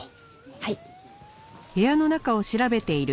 はい。